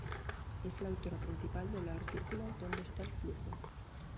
Es la autora principal del artículo ¿"Dónde está el Flujo?